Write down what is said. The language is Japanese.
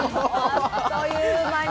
あっという間に。